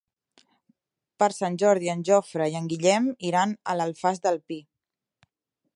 Per Sant Jordi en Jofre i en Guillem iran a l'Alfàs del Pi.